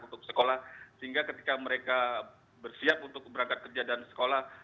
untuk sekolah sehingga ketika mereka bersiap untuk berangkat kerja dan sekolah